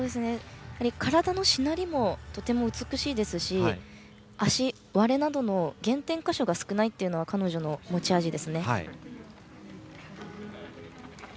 体のしなりもとても美しいですし足割れなどの減点箇所が少ないというのが彼女の持ち味ですね。